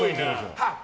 ハッ！